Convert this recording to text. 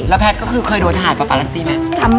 แพทย์ก็คือเคยโดนทหารปาปารัสซี่ไหม